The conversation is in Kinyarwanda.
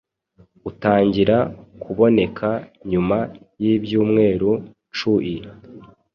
utangira kuboneka nyuma y’ibyumweru cui